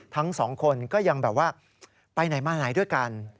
ทั้งสองคนก็ยังแบบว่าไปไหนมาไหนด้วยกัน